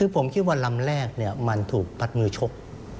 ผมคิดว่าลำแรกมันถูกพัดมือชก